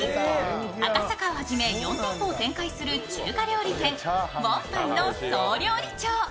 赤坂をはじめ４店舗を展開する中華料理店王牌の総料理長。